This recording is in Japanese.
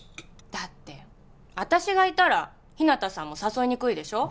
だって私がいたら日向さんも誘いにくいでしょ